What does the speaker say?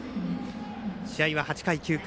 試合は８回、９回。